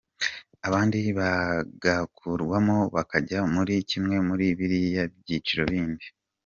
Abandi bagakurwamo bakajya muri kimwe muri biriya byiciro bindi.